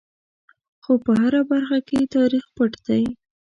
خو په هره برخه کې یې تاریخ پټ دی.